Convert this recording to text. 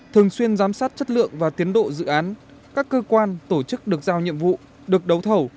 thường xuyên giám sát chất lượng và tiến độ dự án các cơ quan tổ chức được giao nhiệm vụ được đấu thầu